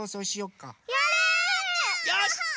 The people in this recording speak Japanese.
よし！